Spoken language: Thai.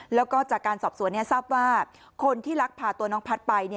แล้วก็จากการสอบสวนทราบว่าคนที่ลักพาตัวน้องพัฒน์ไป